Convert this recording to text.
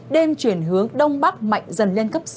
đêm chuyển hướng đông bắc mạnh dần lên cấp sáu